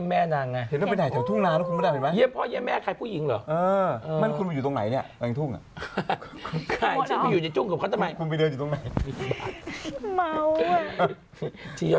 มาไงเขาก็แบบน่ารักเขาก็ไปแซวอะไรอย่างนี้